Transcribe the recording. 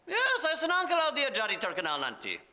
ya saya senang kalau dia dari terkenal nanti